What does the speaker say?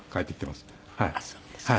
あっそうですか。